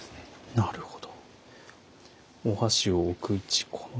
なるほど。